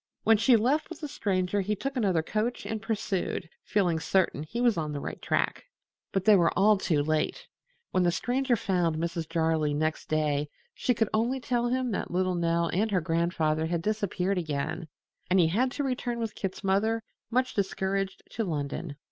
When she left with the Stranger he took another coach and pursued, feeling certain he was on the right track. But they were all too late. When the Stranger found Mrs. Jarley next day she could only tell him that little Nell and her grandfather had disappeared again, and he had to return with Kit's mother, much discouraged, to London.